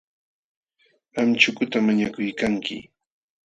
Qam chukutam mañakuykanki.,